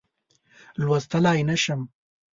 لوستلای نه شم.